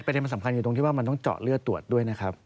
มันสำคัญอยู่ตรงที่ว่ามันต้องเจาะเลือดตรวจด้วยนะครับ